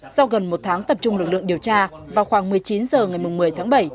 sau gần một tháng tập trung lực lượng điều tra vào khoảng một mươi chín h ngày một mươi tháng bảy